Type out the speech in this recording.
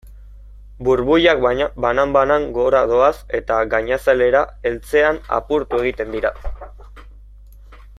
Burbuilak banan-banan gora doaz eta gainazalera heltzean apurtu egiten dira.